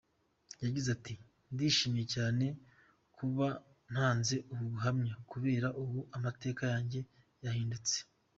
Yagize ati "Ndishimye cyane kuba ntanze ubu buhamya, kubera ubu amateka yanjye yahindutse.